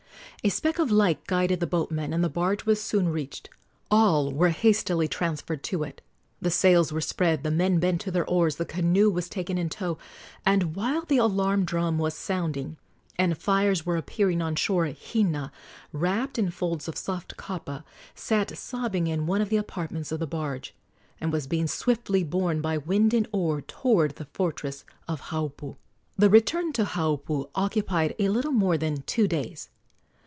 A speck of light guided the boatmen, and the barge was soon reached. All were hastily transferred to it. The sails were spread, the men bent to their oars, the canoe was taken in tow; and, while the alarm drum was sounding and fires were appearing on shore, Hina, wrapped in folds of soft kapa, sat sobbing in one of the apartments of the barge, and was being swiftly borne by wind and oar toward the fortress of Haupu. The return to Haupu occupied a little more than two days.